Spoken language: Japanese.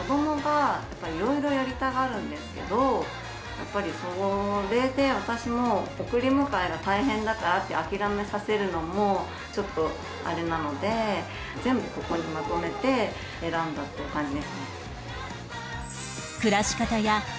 やっぱりそれで私も送り迎えが大変だからって諦めさせるのもちょっとあれなので全部ここにまとめて選んだっていう感じですね。